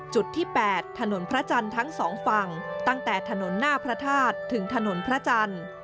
จุดที่๘ถนนพระจันทร์ทั้งสองฝั่งตั้งแต่ถนนหน้าพระธาตุถึงถนนพระจันทร์